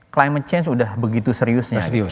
climate change sudah begitu seriusnya serius